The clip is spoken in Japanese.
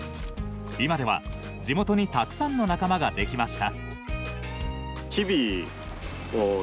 今では、地元にたくさんの仲間ができました。